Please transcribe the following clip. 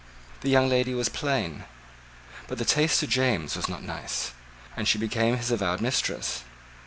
The young lady was plain: but the taste of James was not nice: and she became his avowed mistress.